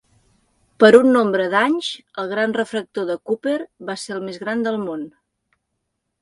Per un nombre d'anys el gran refractor de Cooper va ser el més gran del món.